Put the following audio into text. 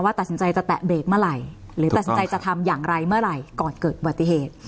ตัดสินใจจะแตะเบรกเมื่อไหร่หรือตัดสินใจจะทำอย่างไรเมื่อไหร่ก่อนเกิดอุบัติเหตุ